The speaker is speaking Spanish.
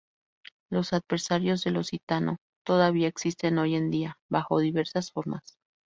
Los adversarios del occitano todavía existen hoy en día, bajo diversas formas.